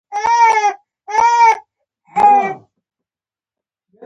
د پیرودونکو خدمتونه د بانکي بازار په وده کې مرسته کوي.